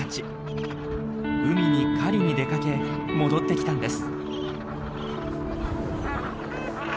海に狩りに出かけ戻ってきたんです。